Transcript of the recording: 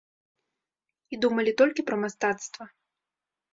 Думалі толькі пра мастацтва.